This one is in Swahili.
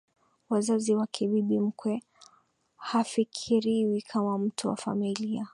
wazazi wake Bibi mkwe hafikiriwi kama mtu wa familia